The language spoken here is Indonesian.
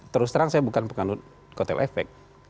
terus terang saya bukan penganut kotel efek